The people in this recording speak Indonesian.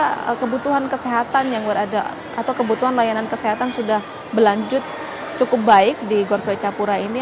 karena kebutuhan kesehatan yang berada atau kebutuhan layanan kesehatan sudah berlanjut cukup baik di gor swecapura ini